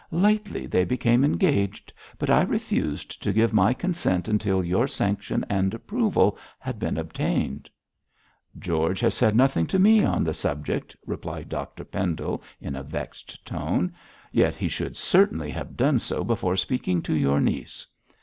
Lately they became engaged, but I refused to give my consent until your sanction and approval had been obtained.' 'George has said nothing to me on the subject,' replied Dr Pendle, in a vexed tone. 'Yet he should certainly have done so before speaking to your niece.'